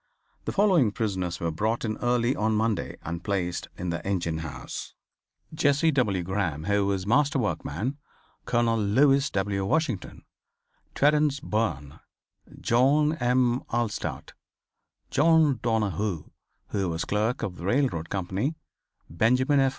The following prisoners were brought in early on Monday and placed in the engine house: Jesse W. Graham who was master workman, Colonel Lewis W. Washington, Terance Byrne, John M. Allstadt, John Donohue, who was clerk of the railroad company; Benjamin F.